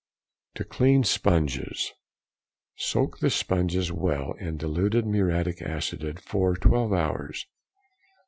To clean sponges.—Soak the sponge well in diluted muriatic acid for twelve hours.